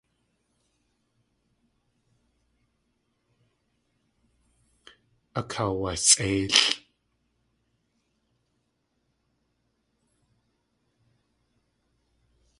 Akaawasʼéilʼ.